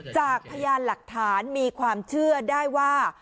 จากพยานหลักฐานมีความเชื่อได้ว่า